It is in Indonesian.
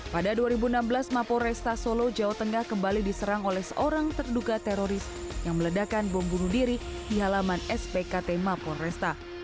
pada dua ribu enam belas mapolresta solo jawa tengah kembali diserang oleh seorang terduka teroris yang meledakan bom bunuh diri di halaman spkt mapolresta